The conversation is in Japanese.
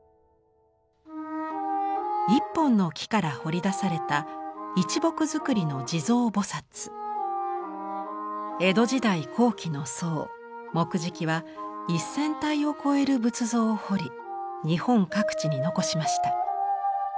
１本の木から彫り出された一木造りの江戸時代後期の僧木喰は１，０００体を超える仏像を彫り日本各地に残しました。